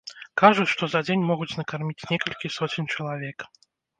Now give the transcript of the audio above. Кажуць, што за дзень могуць накарміць некалькі соцень чалавек.